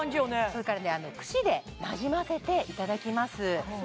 それからくしでなじませていただきます